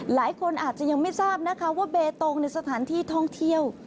หลายคนอาจจะยังไม่ทราบนะคะว่าเบตงในสถานที่ท่องเที่ยว